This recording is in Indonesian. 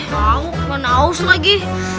mau ke mana aus lagi